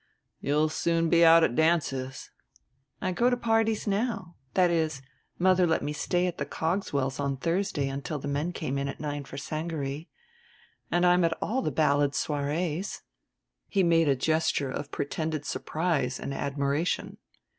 "You'll soon be out at dances." "I go to parties now; that is, mother let me stay at the Coggswells' on Thursday until the men came at nine for sangaree. And I'm at all the Ballad Soirées." He made a gesture of pretended surprise and admiration.